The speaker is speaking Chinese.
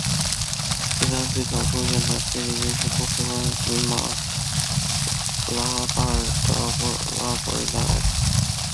伊斯兰最早出现在菲律宾是波斯湾与马拉巴尔的阿拉伯人带来。